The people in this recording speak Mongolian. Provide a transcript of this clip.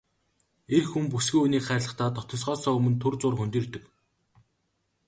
Эр хүн бүсгүй хүнийг хайрлахдаа дотносохоосоо өмнө түр зуур хөндийрдөг.